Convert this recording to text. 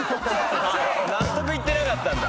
納得いってなかったんだ。